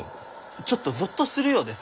ちょっとゾッとするようでさ。